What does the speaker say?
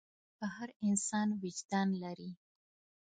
هر انسان وجدان لري.